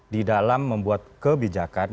di dalam membuat kebijakan